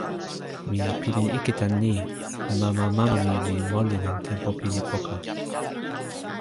mi pilin ike tan ni: mama mama mi li moli lon tenpo pini poka.